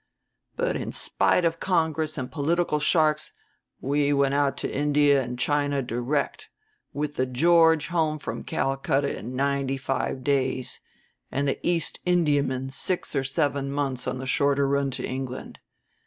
"But in spite of Congress and political sharks we went out to India and China direct, with The George home from Calcutta in ninety five days, and the East Indiamen six or seven months on the shorter run to England.